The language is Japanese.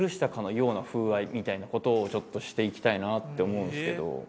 みたいなことをちょっとしていきたいなって思うんですけど。